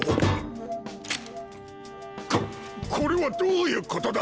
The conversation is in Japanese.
これはどういうことだ？